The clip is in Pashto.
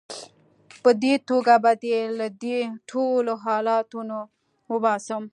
په دې توګه به دې له دې ټولو حالتونو وباسم.